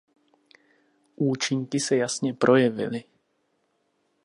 Účinky se jasně projevily.